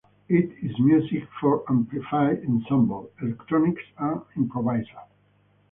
It is music for amplified ensemble, electronics and improviser.